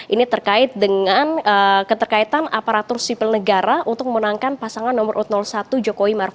ini terkait dengan keterkaitan aparatur sipil negara untuk memenangkan pasangan nomor satu jokowi maruf